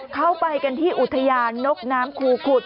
เข้าไปกันที่อุทยานนกน้ำคูขุด